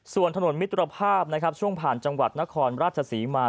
ส่วนถนนมิตรภาพนะครับช่วงผ่านจังหวัดนครราชศรีมา